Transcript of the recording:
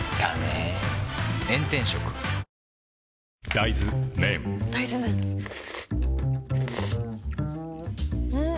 大豆麺ん？